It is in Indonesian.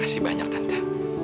makasih banyak tante